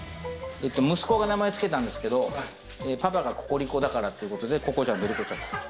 息子が名前つけたんですけど、パパがココリコだからということで、ココちゃんとリコちゃん。